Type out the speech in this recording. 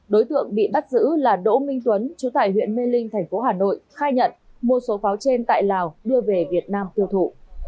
đối tượng bị bắt giữ là đỗ minh tuấn chú tại huyện mê linh thành phố hà nội khai nhận mua số pháo trên tại lào đưa về việt nam tiêu thụ